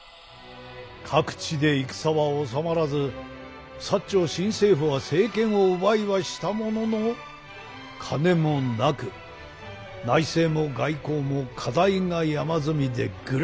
各地で戦は収まらず長新政府は政権を奪いはしたものの金もなく内政も外交も課題が山積みでグラグラだ。